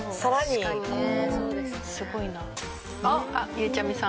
ゆうちゃみさん。